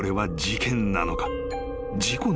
事故なのか？］